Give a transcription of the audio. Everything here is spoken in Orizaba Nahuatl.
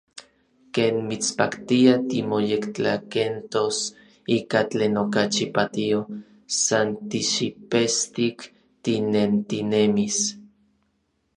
Ken mitspaktia timoyektlakentos ika tlen okachi patio, san tixipestik tinentinemis.